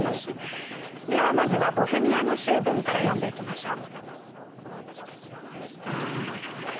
ではまずは「ボヘミアの醜聞」から読んでいきましょう。